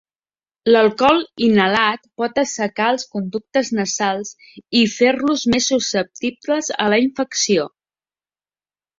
L'alcohol inhalat pot assecar els conductes nasals i fer-los més susceptibles a la infecció.